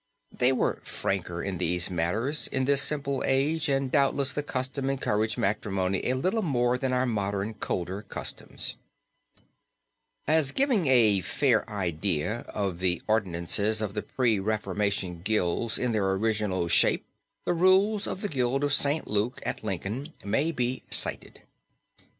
They were franker in these matters in this simpler age and doubtless the custom encouraged matrimony a little bit more than our modern colder customs. As giving a fair idea of the ordinances of the pre Reformation guilds in their original shape the rules of the Guild of St. Luke at Lincoln, may be cited.